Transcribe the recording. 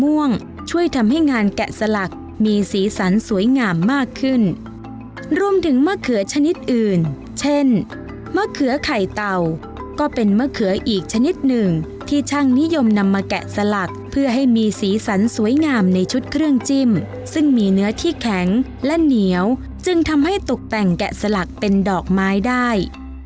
ช่วยทำให้งานแกะสลักมีสีสันสวยงามมากขึ้นรวมถึงมะเขือชนิดอื่นเช่นมะเขือไข่เต่าก็เป็นมะเขืออีกชนิดหนึ่งที่ช่างนิยมนำมาแกะสลักเพื่อให้มีสีสันสวยงามในชุดเครื่องจิ้มซึ่งมีเนื้อที่แข็งและเหนียวจึงทำให้ตกแต่งแกะสลักเป็นดอกไม้ได้